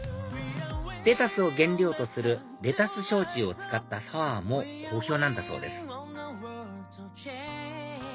レタスを原料とするレタス焼酎を使ったサワーも好評なんだそうです